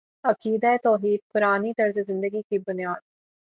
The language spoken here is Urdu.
عقیدہ توحید قرآنی طرزِ زندگی کی بنیاد